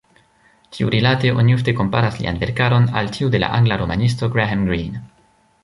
Tiurilate oni ofte komparas lian verkaron al tiu de la angla romanisto Graham Greene.